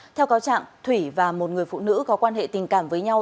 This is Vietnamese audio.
theo cáo trạng thủy và một người phụ nữ có quan hệ tình cảm với nhau